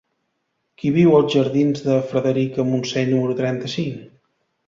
Qui viu als jardins de Frederica Montseny número trenta-cinc?